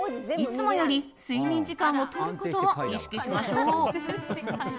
いつもより睡眠時間をとることを意識しましょう。